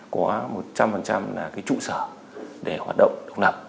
có một trăm linh là cái trụ sở để hoạt động độc lập